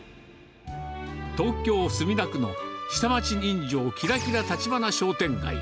東京・墨田区の下町人情キラキラ橘商店街。